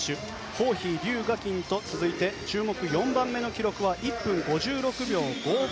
ホーヒー、リュウ・ガキンと続き注目、４番目の記録は１分５６秒５５。